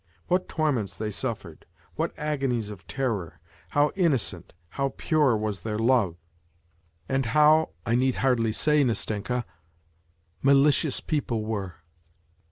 What torments they suffered, what agonies of terror, how 20 WHITE NIGHTS innocent, how pure was their love, and how (I need hardly say, Nastenka) maUcious~peopTe~were